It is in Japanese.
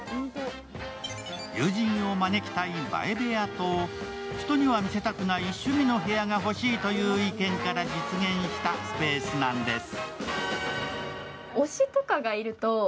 友人を招きたい映え部屋と人には見せたくない趣味の部屋が欲しいという意見から実現したスペースなんです。